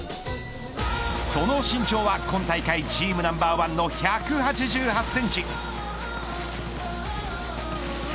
その身長は今大会チームナンバー１の１８８センチ。